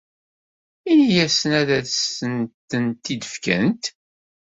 Ini-asent ad asen-tent-id-fkent.